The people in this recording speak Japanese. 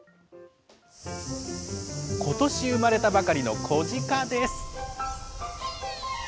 ことし生まれたばかりの子鹿です。